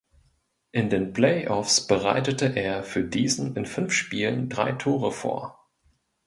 In den Playoffs bereitete er für diesen in fünf Spielen drei Tore vor.